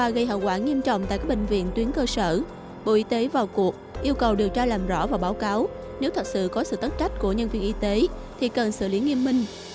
gây hậu quả nghiêm trọng tại các bệnh viện tuyến cơ sở bộ y tế vào cuộc yêu cầu điều tra làm rõ và báo cáo nếu thật sự có sự tất trách của nhân viên y tế thì cần xử lý nghiêm minh